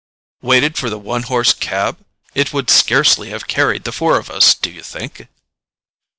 "Waited for the one horse cab? It would scarcely have carried the four of us, do you think?"